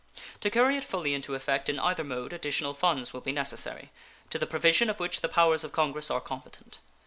To carry it fully into effect in either mode additional funds will be necessary, to the provision of which the powers of Congress are competent.